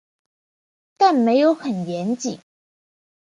但没有很严谨